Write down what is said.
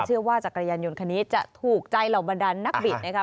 เชื่อว่าจักรยานยนต์คันนี้จะถูกใจเหล่าบันดาลนักบิตนะครับ